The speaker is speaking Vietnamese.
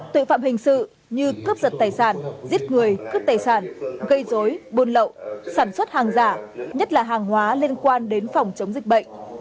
tội phạm hình sự như cướp giật tài sản giết người cướp tài sản gây dối buôn lậu sản xuất hàng giả nhất là hàng hóa liên quan đến phòng chống dịch bệnh